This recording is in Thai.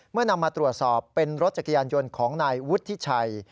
นำมาตรวจสอบเป็นรถจักรยานยนต์ของนายวุฒิชัย